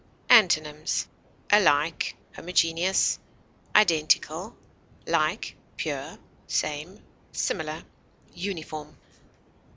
Antonyms: alike, homogeneous, identical, like, pure, same, similar, uniform.